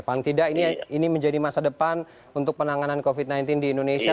paling tidak ini menjadi masa depan untuk penanganan covid sembilan belas di indonesia